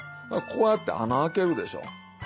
こうやって穴開けるでしょ。